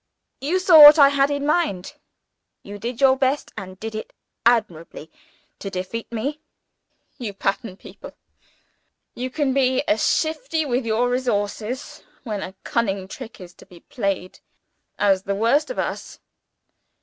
You saw what I had in my mind! You did your best and did it admirably to defeat me. Oh, you pattern people you can be as shifty with your resources, when a cunning trick is to be played, as the worst of us!